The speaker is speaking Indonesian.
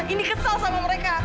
indi kesel sama mereka